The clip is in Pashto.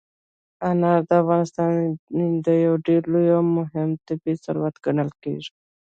انار د افغانستان یو ډېر لوی او مهم طبعي ثروت ګڼل کېږي.